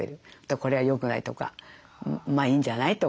これはよくないとかまあいいんじゃないとか。